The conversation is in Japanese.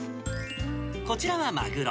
こちらはマグロ。